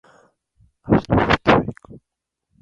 明日外へ行く。